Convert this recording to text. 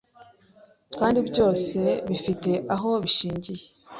kandi byose bifite aho bishingiye.